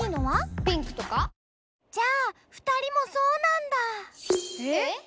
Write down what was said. じゃあ２人もそうなんだ。え？